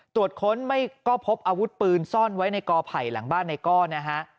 ตรวจค้นไม่ก็พบอาวุธปืนซ่อนไว้ในกอไผ่หลังบ้านในก้อนนะฮะ